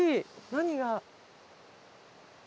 何が？